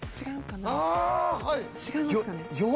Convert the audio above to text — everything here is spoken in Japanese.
違うかな。